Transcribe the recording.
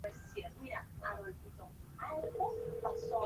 En el Palacio la Reina se reúne y nombra al Primer Ministro de Escocia.